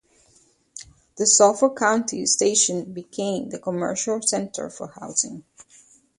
The Suffolk County Station, became the commercial center for housing.